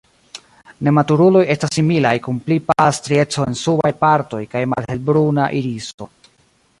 Nematuruloj estas similaj kun pli pala strieco en subaj partoj kaj malhelbruna iriso.